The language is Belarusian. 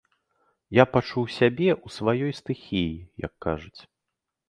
Я пачуў сябе ў сваёй стыхіі, як кажуць.